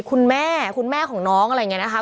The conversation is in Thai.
คุณแม่คุณแม่ของน้องอะไรอย่างนี้นะคะ